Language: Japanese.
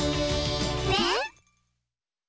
ねっ！